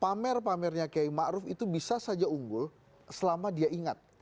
pamer pamernya kiai ma'ruf itu bisa saja unggul selama dia ingat